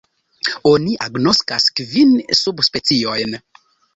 Oni agnoskas kvin subspeciojn.